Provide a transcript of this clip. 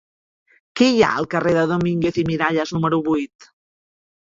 Què hi ha al carrer de Domínguez i Miralles número vuit?